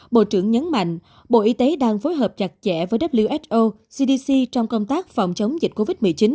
bộ trưởng nhấn mạnh bộ y tế đang phối hợp chặt chẽ với who cdc trong công tác phòng chống dịch covid một mươi chín